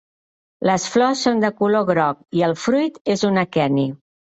Les flors són de color groc i el fruit és un aqueni.